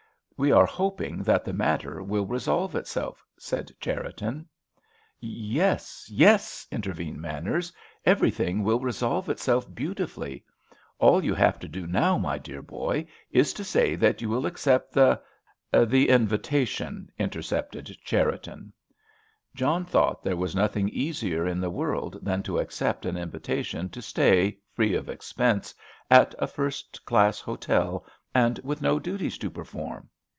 "We are hoping that the matter will resolve itself," said Cherriton. "Yes—yes!" intervened Manners, "everything will resolve itself beautifully. All you have to do now, my dear boy, is to say that you accept the——" "The invitation," intercepted Cherriton. John thought there was nothing easier in the world than to accept an invitation to stay, free of expense, at a first class hotel, and with no duties to perform.